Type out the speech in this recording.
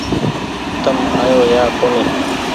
تم آيو يا ڪونيٚ